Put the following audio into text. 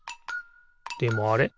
でもあれ？